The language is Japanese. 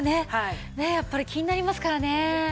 やっぱり気になりますからね。